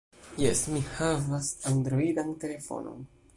Jes, mi havas Androidan telefonon.